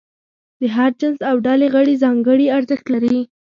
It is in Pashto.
د هر جنس او ډلې غړي ځانګړي ارزښت لري.